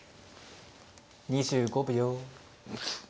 ２５秒。